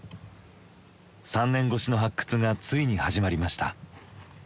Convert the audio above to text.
３年越しの発掘がついに始まりました。